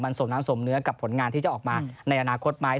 สมน้ำสมเนื้อกับผลงานที่จะออกมาในอนาคตไหม